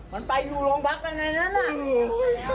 มันไปอยู่รองพักอย่างนั้น